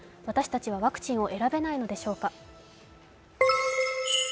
私たちはワクチンを選べないのでしょうか。